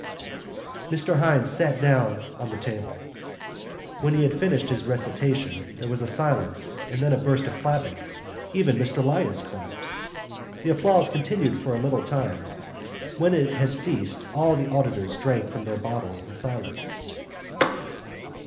Mr Hynes sat down again on the table. When he had finished his recitation there was a silence and then a burst of clapping: even Mr Lyons clapped. The applause continued for a little time. When it had ceased all the auditors drank from their bottles in silence.